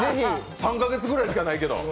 ３か月ぐらいしかないけど。